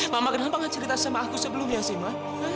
mama kenapa gak cerita sama aku sebelumnya sih mak